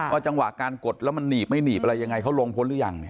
จังหวะการกดแล้วมันหนีบไม่หนีบอะไรยังไงเขาลงพ้นหรือยัง